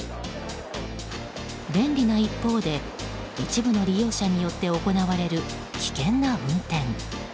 便利な一方で一部の利用者によって行われる危険な運転。